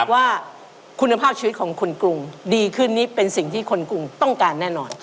ว่าคุณภาพชีวิตของคนกรุงดีขึ้นนี่เป็นสิ่งที่คนกรุงต้องการแน่นอน